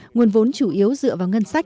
nguồn vốn chủ yếu dựa vào ngân sách